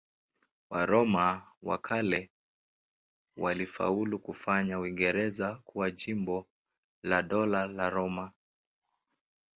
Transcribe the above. Waroma wa kale walifaulu kufanya Uingereza kuwa jimbo la Dola la Roma.